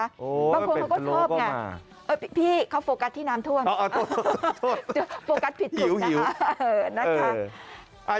บางคนเขาก็ชอบไงพี่เขาโฟกัสที่น้ำทวมโฟกัสผิดถูกนะคะหิว